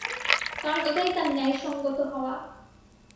কারণ এটাই তার ন্যায়সঙ্গত হওয়া।